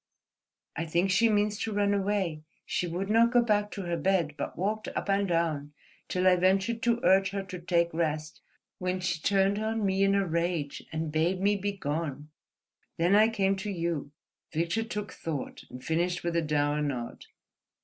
"I think she means to run away. She would not go back to her bed, but walked up and down, till I ventured to urge her to take rest, when she turned on me in a rage and bade me be gone. Then I came to you." Victor took thought and finished with a dour nod.